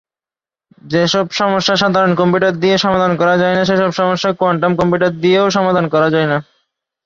যেসব সমস্যা সাধারণ কম্পিউটার দিয়ে সমাধান করা যায়না সেসব সমস্যা কোয়ান্টাম কম্পিউটার দিয়েও সমাধান করা যায়না।